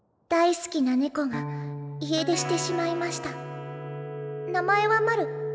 「大好きな猫が家出してしまいました名前はマル。